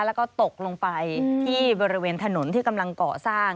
แล้วก็ตกลงไปที่บริเวณถนนที่กำลังก่อสร้าง